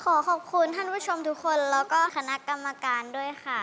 ขอขอบคุณท่านผู้ชมทุกคนแล้วก็คณะกรรมการด้วยค่ะ